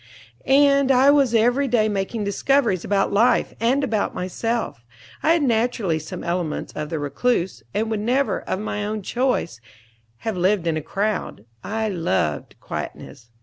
And I was every day making discoveries about life, and about myself. I had naturally some elements of the recluse, and would never, of my own choice, have lived in a crowd. I loved quietness.